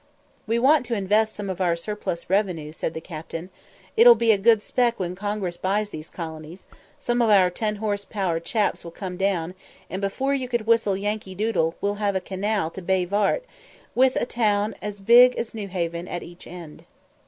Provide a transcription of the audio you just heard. "We want to invest some of our surplus revenue," said the captain. "It'll be a good spec when Congress buys these colonies; some of our ten horse power chaps will come down, and, before you could whistle 'Yankee Doodle,' we'll have a canal to Bay Varte, with a town as big as Newhaven at each end.